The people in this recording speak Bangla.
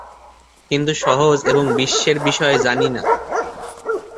কিন্তু সহজ এবং বিশ্বের বিষয় জানি না।